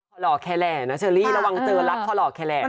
พอหล่อแคแหล่นะเชอรี่ระวังเจอรักพอหล่อแคล่